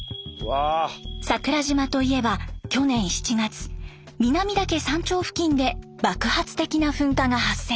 桜島といえば去年７月南岳山頂付近で爆発的な噴火が発生。